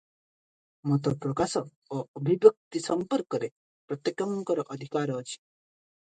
ମତ ପ୍ରକାଶ ଓ ଅଭିବ୍ୟକ୍ତି ସମ୍ପର୍କରେ ପ୍ରତ୍ୟେକଙ୍କର ଅଧିକାର ଅଛି ।